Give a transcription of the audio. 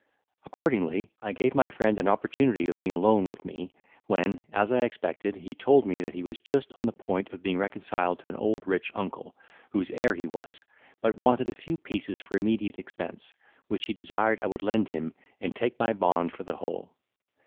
Accordingly, I gave my friend an opportunity of being alone with me, when, as I expected, he told me that he was just on the point of being reconciled to an old rich uncle, whose heir he was, but wanted a few pieces for immediate expense, which he desired I would lend him and take my bond for the whole.